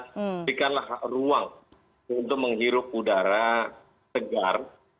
berikanlah ruang untuk menghirup udara segar